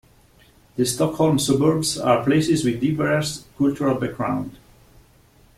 The Stockholm suburbs are places with diverse cultural background.